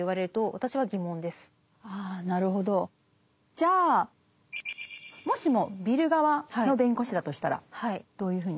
じゃあもしもビル側の弁護士だとしたらどういうふうに？